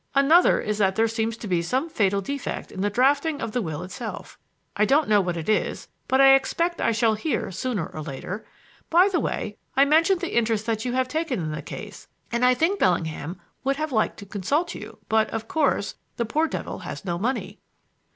Another is that there seems to be some fatal defect in the drafting of the will itself. I don't know what it is, but I expect I shall hear sooner or later. By the way, I mentioned the interest that you have taken in the case, and I think Bellingham would have liked to consult you, but, of course, the poor devil has no money."